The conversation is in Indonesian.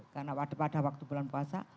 karena pada waktu bulan puasa